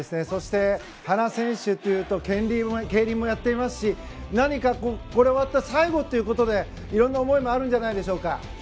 そして原選手というと競輪もやっていますしこれが終わったら最後ということでいろんな思いもあるんじゃないですか？